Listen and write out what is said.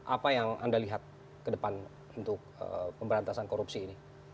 apa yang anda lihat ke depan untuk pemberantasan korupsi ini